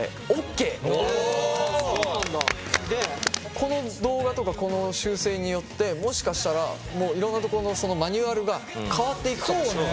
この動画とかこの修正によってもしかしたらいろんなところのそのマニュアルが変わっていくかもしれない。